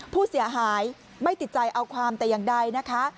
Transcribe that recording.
ผู้เสียหายไม่ติดใจเอาความแต่อย่างใดนะคะ